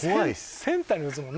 センターに打つもんな。